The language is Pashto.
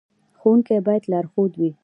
ښوونکی باید لارښود وي